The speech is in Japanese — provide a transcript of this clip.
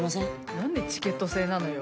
何でチケット制なのよ。